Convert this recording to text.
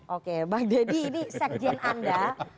oke bang deddy ini sekjen anda